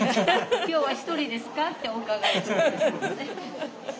「今日は１人ですか？」ってお伺いするんですよね。